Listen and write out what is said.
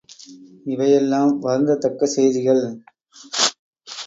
இவையெல்லாம் வருந்தத்தக்க செய்திகள்!